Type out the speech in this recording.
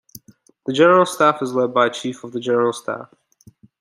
The general staff is led by the Chief of the General Staff.